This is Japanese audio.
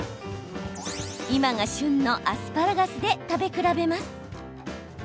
今が旬のアスパラガスで食べ比べます。